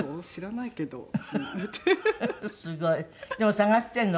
でも探してるの？